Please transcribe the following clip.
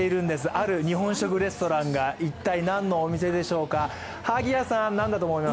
ある日本食レストランが一体、何のお店でしょうか、何だと思います？